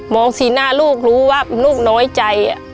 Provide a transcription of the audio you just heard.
สีหน้าลูกรู้ว่าลูกน้อยใจ